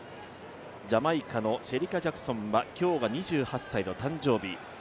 ジャマイカのシェリカ・ジャクソンは今日が２８歳の誕生日。